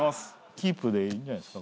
キープでいいんじゃないっすか